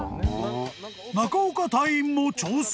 ［中岡隊員も挑戦］